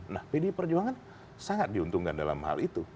nah pdi perjuangan sangat diuntungkan dalam hal itu